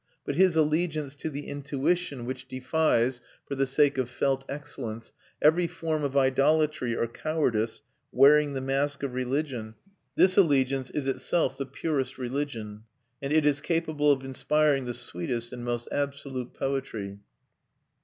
But his allegiance to the intuition which defies, for the sake of felt excellence, every form of idolatry or cowardice wearing the mask of religion this allegiance is itself the purest religion; and it is capable of inspiring the sweetest and most absolute poetry.